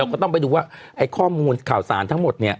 ก็ต้องไปดูว่าไอ้ข้อมูลข่าวสารทั้งหมดเนี่ย